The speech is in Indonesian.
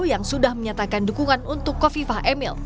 yang sudah menyatakan dukungan untuk kofifah emil